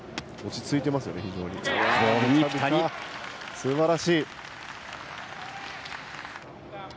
すばらしい。